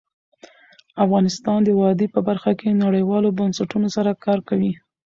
افغانستان د وادي په برخه کې نړیوالو بنسټونو سره کار کوي.